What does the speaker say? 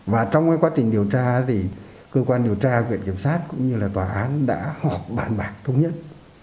và trong quá trình điều tra thì cơ quan điều tra viện kiểm sát cũng như là tòa án đã họp bản bạc thống nhất